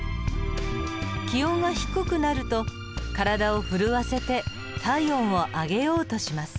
気温が低くなると体を震わせて体温を上げようとします。